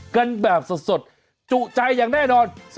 กันแบบสดจุใจอย่างแน่นอน